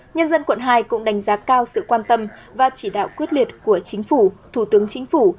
nhân dân quận hai cũng đánh giá cao sự quan tâm và chỉ đạo quyết liệt của chính phủ thủ tướng chính phủ